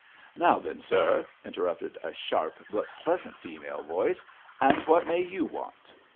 'Now then, sir,' interrupted a sharp but pleasant female voice, 'and what may you want?'